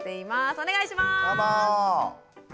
お願いします。